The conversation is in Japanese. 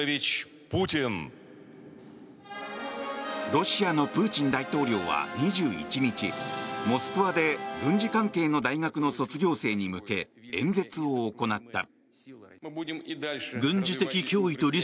ロシアのプーチン大統領は２１日モスクワで軍事関係の大学の卒業生に向け演説を行った。